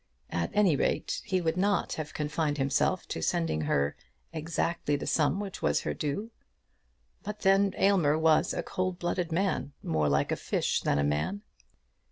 At any rate he would not have confined himself to sending to her the exact sum which was her due. But then Aylmer was a cold blooded man, more like a fish than a man.